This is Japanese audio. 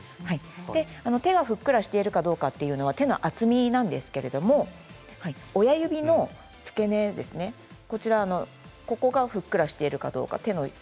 手がふっくらしているかどうかは体の厚みなんですけれども親指の付け根ここがふっくらしているかどうか。